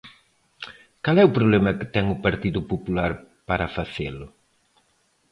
¿Cal é o problema que ten o Partido Popular para facelo?